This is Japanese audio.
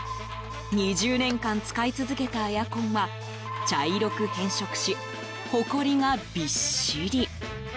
２０年間使い続けたエアコンは茶色く変色しほこりがびっしり。